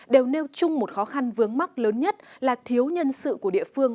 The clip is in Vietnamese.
đều nêu chung một khó khăn vướng mắt lớn nhất là thiếu nhân sự của địa phương